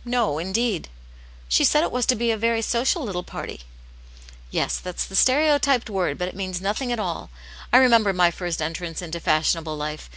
" No, indeed." " She said it was to be a very social little party.*' "Yes, that's the stereotyped word, but it means nothing at all. I remember my first entrance into . fashionable life.